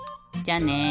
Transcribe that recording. じゃあね。